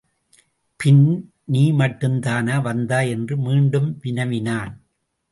பின், நீ மட்டுந்தானா வந்தாய்? என்று மீண்டும் வினவினான்.